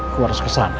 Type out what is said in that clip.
gue harus kesana